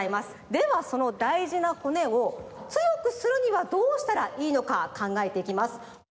ではそのだいじな骨をつよくするにはどうしたらいいのかかんがえていきます。